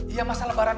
iya masa lebaran ini